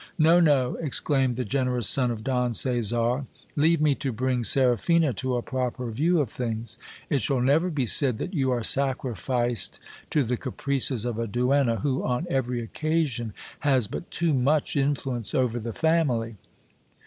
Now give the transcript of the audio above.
No, no, exclaimed the generous son of Don Caesar. Leave me to bring Seraphina to a proper view of things. It shall never be said that you are sacrificed to the caprices of a duenna, who, on every occasion, has but too much influence over the family.